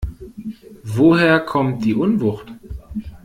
Woher kommt die Unwucht?